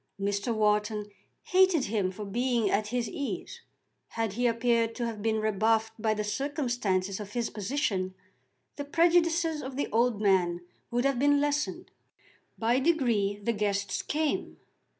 Mr. Wharton hated him for being at his ease. Had he appeared to have been rebuffed by the circumstances of his position the prejudices of the old man would have been lessened. By degrees the guests came.